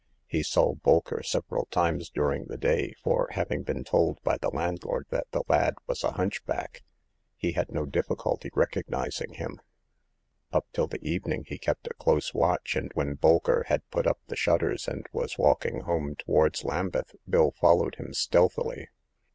He saw Bolker several times during the day ; for, having been told by the landlord that the lad was a hunchback, he had no difficulty recognizing him. Up till the evening he kept a close watch, and when Bolker had put up the shutters and was walking home towards Lambeth, Bill followed him stealthily.